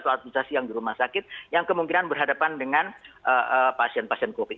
atau administrasi yang di rumah sakit yang kemungkinan berhadapan dengan pasien pasien covid